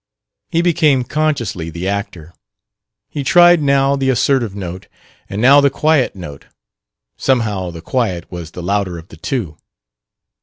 He became consciously the actor. He tried now the assertive note, and now the quiet note; somehow the quiet was the louder of the two.